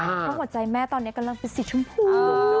เพราะหัวใจแม่ตอนนี้กำลังเป็นสีชมพู